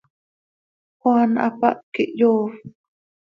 Juan hapáh quih yoofp.